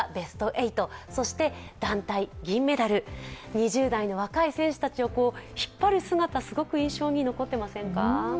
２０代の若い選手たちを引っ張る姿、すごく印象に残っていませんか。